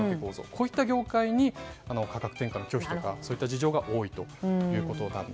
こういった業界に価格転嫁の拒否とかそういった事情が多いと。